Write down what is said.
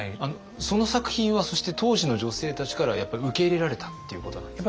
その作品はそして当時の女性たちからはやっぱり受け入れられたっていうことなんですか？